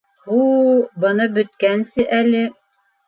Һу-у... быны бөткәнсе әле...